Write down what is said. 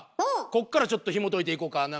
こっからちょっとひもといていこか。